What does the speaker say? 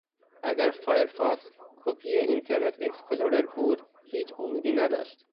اگر فایرفاکس، کپی اینترنت اکسپلورر بود هیچ امیدی نداشت.